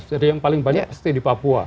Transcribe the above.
jadi yang paling banyak pasti di papua